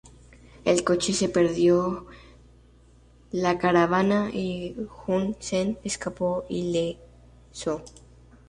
El cohete perdió la caravana, y Hun Sen escapó ileso.